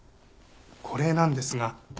これなんですが。